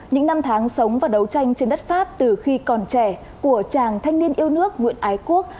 những năm tháng sống và đấu tranh trên đất pháp từ khi còn trẻ của chàng thanh niên yêu nước nguyễn ái quốc